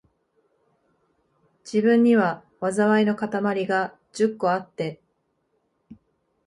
自分には、禍いのかたまりが十個あって、